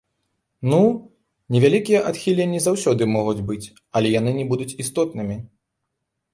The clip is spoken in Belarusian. Ну, невялікія адхіленні заўсёды могуць быць, але яны не будуць істотнымі.